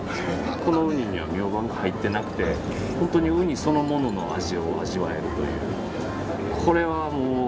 このウニにはミョウバンが入ってなくて本当にウニそのものの味を味わえるという。